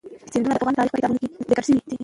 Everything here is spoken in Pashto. سیندونه د افغان تاریخ په کتابونو کې ذکر شوی دي.